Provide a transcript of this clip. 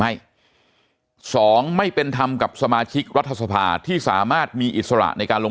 ให้สองไม่เป็นธรรมกับสมาชิกรัฐสภาที่สามารถมีอิสระในการลง